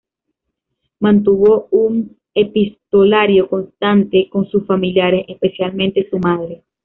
Mantuvo un epistolario constante con sus familiares, especialmente su madre.